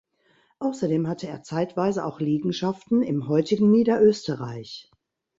Außerdem hatte er zeitweise auch Liegenschaften im heutigen Niederösterreich.